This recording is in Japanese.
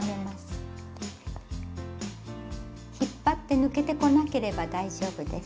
引っ張って抜けてこなければ大丈夫です。